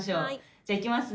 じゃあいきますね。